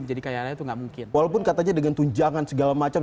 walaupun katanya dengan tunjangan segala macam